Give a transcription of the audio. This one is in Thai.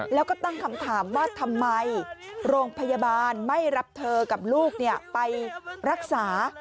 แล้วก็ตั้งคำถามว่าทำไมโรงพยาบาลไม่รับเธอกับลูกไปรักษา